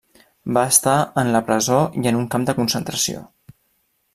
Va estar en la presó i en un camp de concentració.